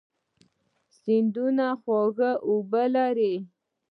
سیندونه خوږې اوبه لري.